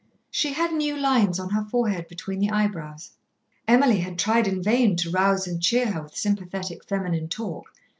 She had new lines on her forehead between the eyebrows. Emily had tried in vain to rouse and cheer her with sympathetic feminine talk.